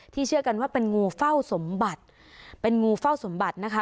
เชื่อกันว่าเป็นงูเฝ้าสมบัติเป็นงูเฝ้าสมบัตินะคะ